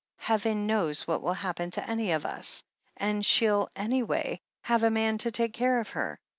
Heaven knows what will happen to any of us, and she'll, anyway, have a man to take care of her.